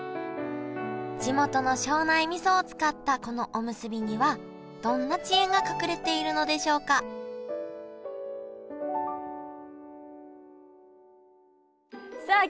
地元の庄内みそを使ったこのおむすびにはどんな知恵が隠れているのでしょうかさあ